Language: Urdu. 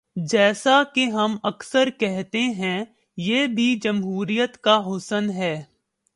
جیسا کہ ہم اکثر کہتے ہیں، یہ بھی جمہوریت کا حسن ہے۔